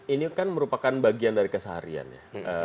ini kan merupakan bagian dari keseharian ya